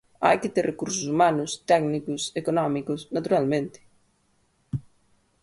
Hai que ter recursos humanos, técnicos, económicos, naturalmente.